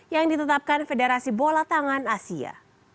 yang ditetapkan federasi bola tangan asia